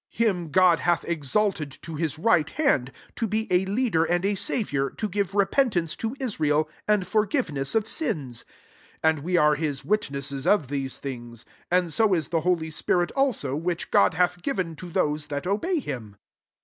him God hath exalted to his right hand ; to be 9i leader and a saviour^ to give repentance to Israel, and forgiveness of sins. 32 And we are [A<«] witnesses of these things; and 60 U the holy spirit [also,] which God hath given to those that obey him.''